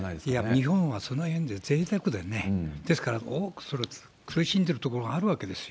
日本はそのへんではぜいたくでね、ですから、多く苦しんでる所があるわけですよ。